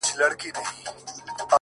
څنگه دي هېره كړمه؛